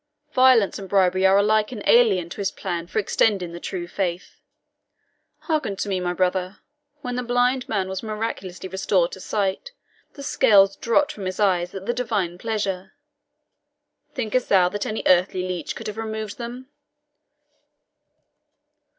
violence and bribery are alike alien to his plan for extending the true faith. Hearken to me, my brother. When the blind man was miraculously restored to sight, the scales dropped from his eyes at the Divine pleasure. Think'st thou that any earthly leech could have removed them?